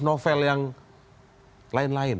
novel yang lain lain